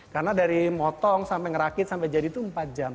karena dari motong sampai ngerakit sampai jadi itu empat jam